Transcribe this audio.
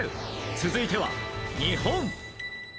続いては日本。